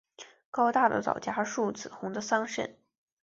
高大的皂荚树，紫红的桑葚